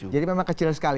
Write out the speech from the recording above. jadi memang kecil sekali